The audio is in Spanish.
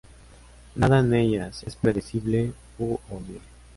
Nada en ellas es predecible u obvio.